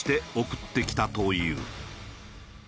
送ってきたという。